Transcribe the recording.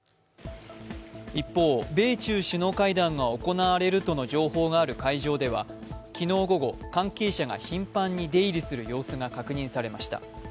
一方、米中首脳会談が行われるとの情報がある会場では昨日午後、関係者が頻繁に出入りする様子が確認されました。